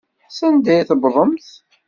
Sanda ay tewwḍemt?